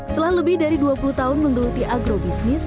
setelah lebih dari dua puluh tahun menggeluti agrobisnis